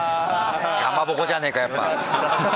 かまぼこじゃねえかやっぱ。